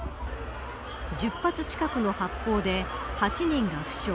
１０発近くの発砲で８人が負傷。